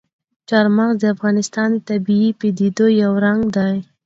چار مغز د افغانستان د طبیعي پدیدو یو رنګ دی.